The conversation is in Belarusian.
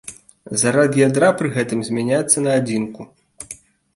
Зарад ядра пры гэтым змяняецца на адзінку.